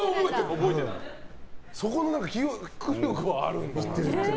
そこの記憶力はあるんだ。